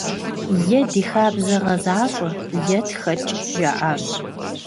Е ди хабзэ гъэзащӀэ, е тхэкӀ, - жаӀащ.